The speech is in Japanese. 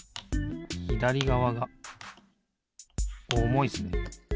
ひだりがわがおもいですね。